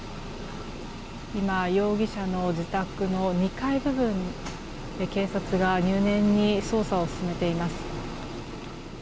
今、容疑者の自宅の２階部分で警察が入念に捜査を進めています。